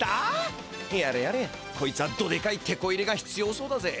やれやれこいつはどでかいてこ入れがひつようそうだぜ。